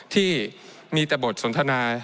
ที่มีแต่บทสนทนา